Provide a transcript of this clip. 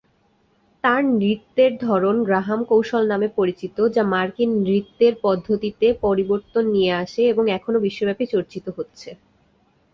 তার নৃত্যের ধরন গ্রাহাম কৌশল নামে পরিচিতি, যা মার্কিন নৃত্যের পদ্ধতিতে পরিবর্তন নিয়ে আসে এবং এখনো বিশ্বব্যাপী চর্চিত হচ্ছে।